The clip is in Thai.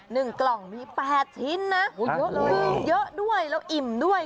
หนึ่งกล่องมีแปดชิ้นนะเยอะเลยเยอะด้วยแล้วอิ่มด้วย